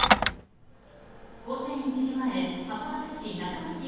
午前１時前函館市中道１